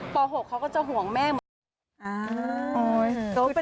ป๖เขาก็จะห่วงแม่เหมือนกัน